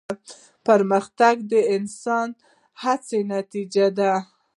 پرمختګ د انسان د هڅو نتیجه ده.